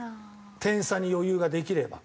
点差に余裕ができれば。